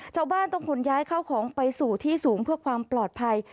ชาวบ้านต้องขนย้ายเข้าของไปสู่ที่สูงเพื่อความปลอดภัย